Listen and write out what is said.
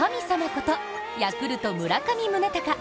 こと、ヤクルト・村上宗隆。